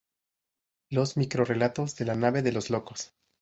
Los microrrelatos de la Nave de los locos".